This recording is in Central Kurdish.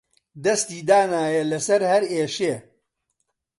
دەستی دانایە لەسەر هەر ئێشێ